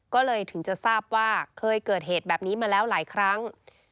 ก็เลยถึงจะทราบว่าเคยเกิดเหตุแบบนี้มาแล้วหลายครั้ง